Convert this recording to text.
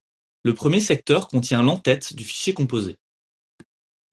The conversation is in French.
Le premier secteur contient l’entête du fichier composé.